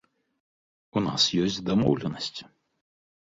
У нас ёсць дамоўленасць.